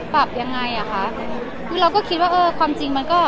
ปรับยังไงอ่ะคะคือเราก็คิดว่าเออความจริงมันก็